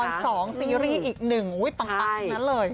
ละคร๒ซีรีส์อีกหนึ่งอุ้ยปังนั้นเลย